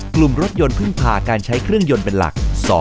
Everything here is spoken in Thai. กลุ่มรถยนต์พึ่งพาการใช้เครื่องยนต์เป็นหลัก